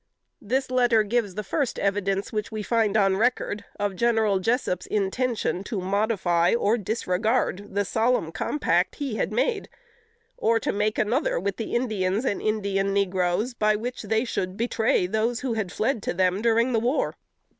This letter gives the first evidence, which we find on record, of General Jessup's intention to modify or disregard the solemn compact he had made, or to make another with the Indians and Indian negroes by which they should betray those who had fled to them during the war.